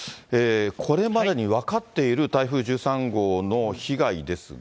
これまでに分かっている台風１３号の被害ですが。